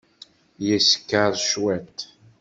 Yeskeṛ cwiṭ.